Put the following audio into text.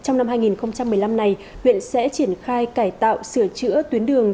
trong năm hai nghìn một mươi năm này huyện sẽ triển khai cải tạo sửa chữa tuyến đường